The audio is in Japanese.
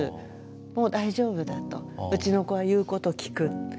もう大丈夫だとうちの子は言うことを聞く。